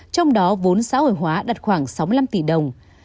trong đó vốn xã hội hóa đặt khoảng sáu mươi năm tỷ đồng